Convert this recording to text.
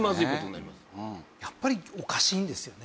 やっぱりおかしいんですよね。